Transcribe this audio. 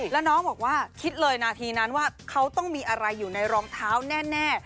แล้วน้องบอกว่าคิดเลยนาทีนั้นว่าเขาต้องมีอะไรอยู่ในรองเท้าแน่